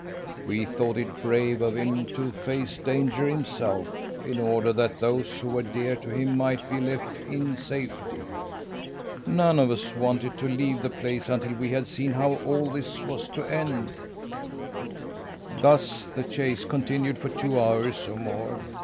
We thought it brave of him to face danger himself, in order that those who were dear to him might be left in safety. None of us wanted to leave the place until we had seen how all this was to end. "Thus the chase continued for two hours or more.